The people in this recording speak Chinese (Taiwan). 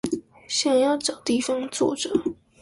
想要找地方坐著